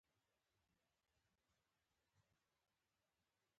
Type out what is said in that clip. چي کیسې اورم د هیوادونو